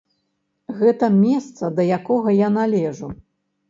Гэта месца, да якога я належу.